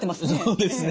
そうですね。